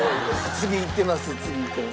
次いってます。